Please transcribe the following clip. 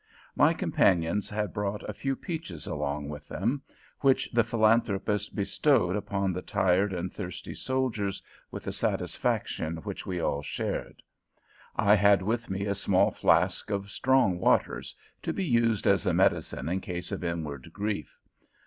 My companions had brought a few peaches along with them, which the Philanthropist bestowed upon the tired and thirsty soldiers with a satisfaction which we all shared. I had with me a small flask of strong waters, to be used as a medicine in case of inward grief.